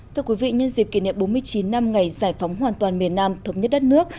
thưa quý vị nhân dịp kỷ niệm bốn mươi chín năm ngày giải phóng hoàn toàn miền nam thống nhất đất nước